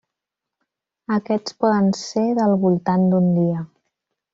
Aquests poden ser del voltant d'un dia.